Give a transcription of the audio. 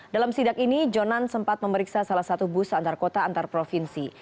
dalam sidak ini jonan sempat memeriksa salah satu bus antar kota antar provinsi